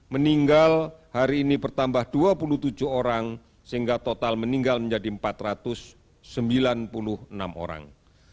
meninggal hari ini bertambah dua puluh tujuh orang sehingga total meninggal menjadi empat ratus sembilan puluh enam orang